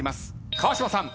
川島さん